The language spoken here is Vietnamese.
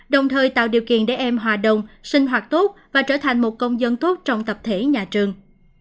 đồng thời tạo điều kiện để em hòa đồng sinh hoạt tốt và trở thành một công dân tốt trong tập thể nhà trường